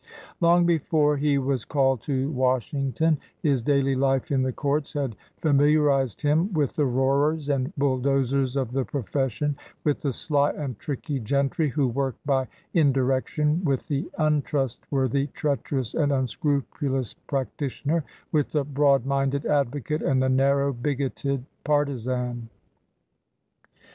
Long before he was called to Washington, his daily life in the courts had familiarized him with the roarers and bulldozers of the profession, with the sly and tricky gentry who work by indi rection, with the untrustworthy, treacherous, and unscrupulous practitioner, with the broad minded advocate and the narrow, bigoted parti zan.